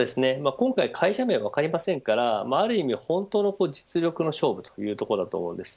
今回、会社名分かりませんからある意味、本当の実力の勝負というところだと思います。